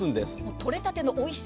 取れたてのおいしさ